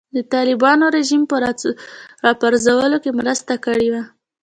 د طالبانو رژیم په راپرځولو کې مرسته کړې وه.